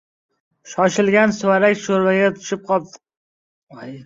• Shoshilgan suvarak sho‘rvaga tushib qoladi.